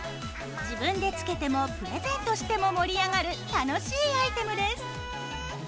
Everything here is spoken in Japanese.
自分で着けてもプレゼントしても盛り上がる楽しいアイテムです。